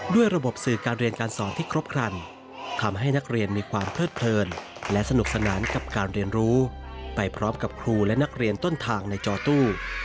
ด้วยระบบสื่อการเรียนการสอนที่ครบครันทำให้นักเรียนมีความเพลิดเพลินและสนุกสนานกับการเรียนรู้ไปพร้อมกับครูและนักเรียนต้นทางในจอตู้